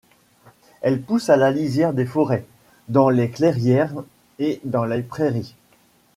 Elle pousse à la lisière des forêts, dans les clairières et dans les prairies.